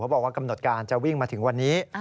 บอกว่ากำหนดการจะวิ่งมาถึงวันนี้